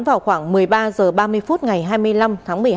vào khoảng một mươi ba h ba mươi phút ngày hai mươi năm tháng một mươi hai